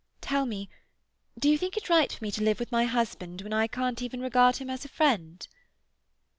"Tell me—do you think it right for me to live with my husband when I can't even regard him as a friend?"